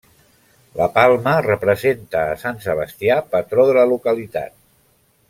La palma representa a Sant Sebastià, patró de la localitat.